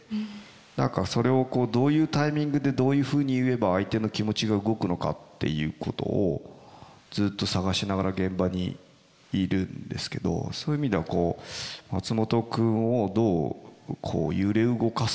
何かそれをどういうタイミングでどういうふうに言えば相手の気持ちが動くのかっていうことをずっと探しながら現場にいるんですけどそういう意味では松本君をどう揺れ動かすかっていうか。